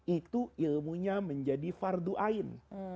itu ilmunya menjadi fardu'ain